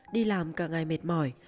đi làm cả ngày mệt mỏi